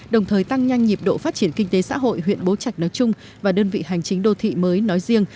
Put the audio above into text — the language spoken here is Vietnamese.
đồng thời tăng nhanh nhịp độ phát triển kinh tế xã hội huyện bố trạch nói chung và đơn vị hành chính đô thị mới nói riêng